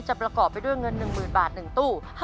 ประกอบไปด้วยเงิน๑๐๐๐บาท๑ตู้